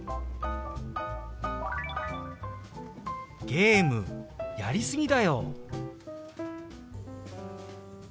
「ゲームやり過ぎだよ！」。